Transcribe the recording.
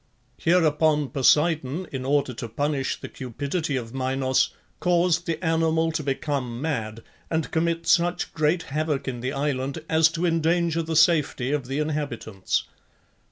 Hereupon Poseidon, in order to punish the cupidity of Minos, caused the animal to become mad, and commit such great havoc in the island as to endanger the safety of the inhabitants.